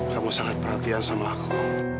kamu sangat perhatian sama aku